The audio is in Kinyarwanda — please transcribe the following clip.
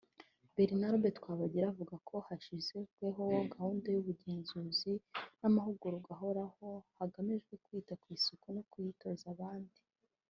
Barnabe Twabagira avuga ko hashyizweho gahunda y’ubugenzuzi n’amahugurwa ahoraho hagamijwe kwita ku isuku no kuyitoza abandi